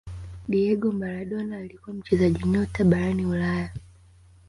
Diego Maradona alikuwa mchezaji nyota barani ulaya